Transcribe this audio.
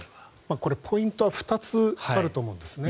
これ、ポイントは２つあると思うんですね。